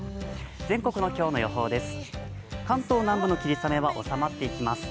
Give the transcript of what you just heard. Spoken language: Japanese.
全国の今日の予報です。